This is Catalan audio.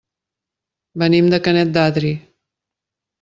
Venim de Canet d'Adri.